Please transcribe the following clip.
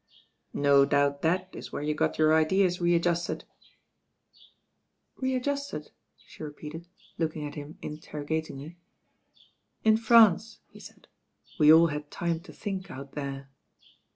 "No doubt that is where you got your id<*as re adjusted." 88 THE RAIN GIRL "Readjusted?" she repeated, looking at him in terrogatingly. "In France," he said. "We all had time to think out there."